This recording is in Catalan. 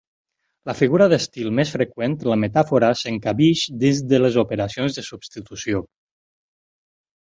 La figura d'estil més freqüent, la metàfora, s'encabeix dins les operacions de substitució.